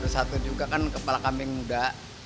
satu juga kan kepala kambing muda